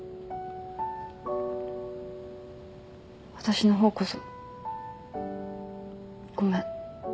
私の方こそごめん。